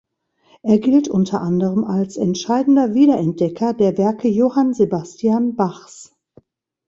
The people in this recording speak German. Er gilt unter anderem als entscheidender Wiederentdecker der Werke Johann Sebastian Bachs.